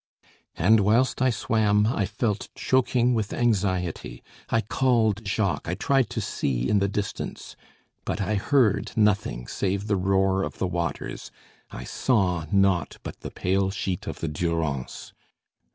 And, whilst I swam, I felt choking with anxiety. I called Jacques, I tried to see in the distance; but I heard nothing save the roar of the waters, I saw naught but the pale sheet of the Durance.